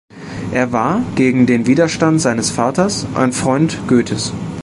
Er war, gegen den Widerstand seines Vaters, ein Freund Goethes.